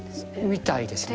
みたいですね。